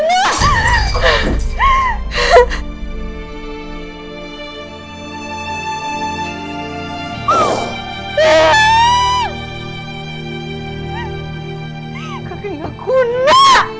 gue gak berguna